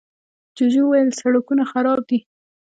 جوجو وويل، سړکونه خراب دي.